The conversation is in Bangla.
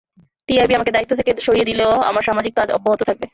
টিআইবি আমাকে দায়িত্ব থেকে সরিয়ে দিলেও আমার সামাজিক কাজ অব্যাহত থাকবে।